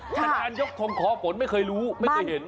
ขนาดยกธงโขอฝนไม่เคยรู้ไม่ได้เห็น